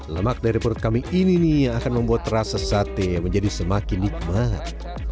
lemak dari perut kami ini nih yang akan membuat rasa sate menjadi semakin nikmat